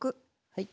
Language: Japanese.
はい。